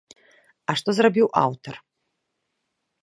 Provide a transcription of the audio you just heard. А што зрабіў аўтар?